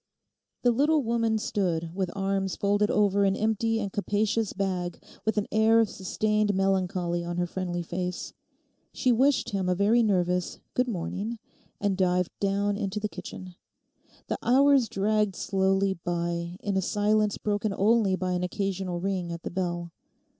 The little woman stood with arms folded over an empty and capacious bag, with an air of sustained melancholy on her friendly face. She wished him a very nervous 'Good morning,' and dived down into the kitchen. The hours dragged slowly by in a silence broken only by an occasional ring at the bell.